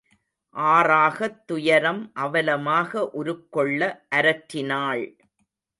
ஆறாகத் துயரம் அவலமாக உருக்கொள்ள அரற்றினாள்.